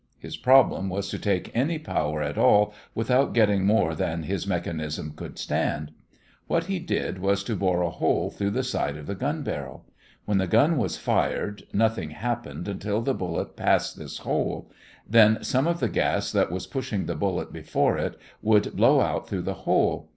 His problem was to take any power at all without getting more than his mechanism could stand. What he did was to bore a hole through the side of the gun barrel. When the gun was fired, nothing happened until the bullet passed this hole; then some of the gas that was pushing the bullet before it would blow out through the hole.